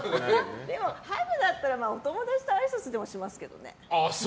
でもハグだったら、お友達とあいさつでもしますけどね。